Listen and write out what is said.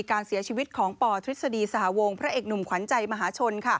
การเสียชีวิตของปทฤษฎีสหวงพระเอกหนุ่มขวัญใจมหาชน